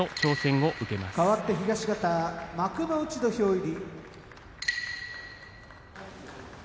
かわって東方幕内土俵入り。